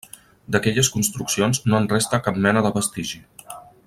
D'aquelles construccions no en resta cap mena de vestigi.